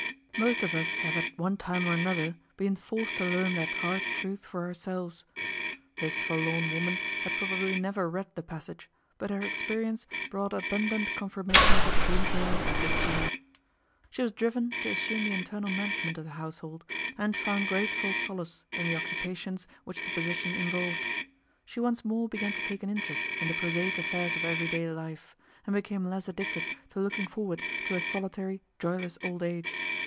Most of us have at one time or another been forced to learn that hard truth for ourselves. This forlorn woman had probably never read the passage, but her experience brought abundant confirmation of it home to her at this time. She was driven to assume the internal management of the household, and found grateful solace in the occupations which the position involved. She once more began to take an interest in the prosaic affairs of everyday life, and became less addicted to looking forward to a solitary, joyless old age.